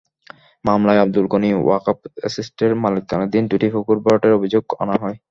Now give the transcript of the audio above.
মামলায় আবদুল গনি ওয়াক্ফ এস্টেটের মালিকানাধীন দুটি পুকুর ভরাটের অভিযোগ আনা হয়।